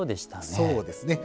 そうですね。